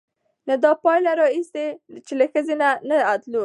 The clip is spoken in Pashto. نه دا پايله راايستې، چې له ښځې نه د ادلون